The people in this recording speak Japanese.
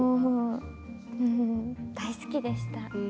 大好きでした。